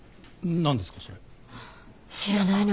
何がですか？